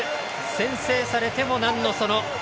先制されても、なんのその。